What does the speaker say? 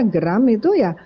geram itu ya